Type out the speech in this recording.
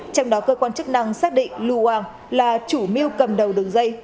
trong đó cơ quan chức năng xác định luang là chủ mưu cầm đầu đường dây